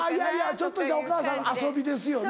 ちょっとしたお母さんの遊びですよね。